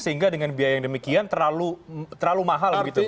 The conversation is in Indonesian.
sehingga dengan biaya yang demikian terlalu mahal gitu bang ramson